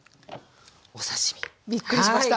お刺身。びっくりしました。